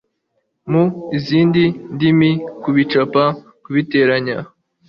mu zindi ndimi kubicapa kubiteranya